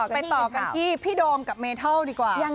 ต่อกันที่พี่โดมกับเมทัลดีกว่า